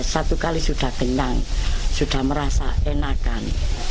satu kali sudah kenyang sudah merasa enakan